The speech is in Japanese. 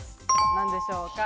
なんでしょうか？